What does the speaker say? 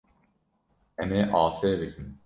Em ê asê bikin.